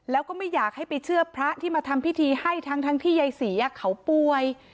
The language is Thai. แล้วก็ไม่อยากให้ไปเชื่อพระที่มาทำพิธีให้ทั้งที่ยายศรีเขาป่วย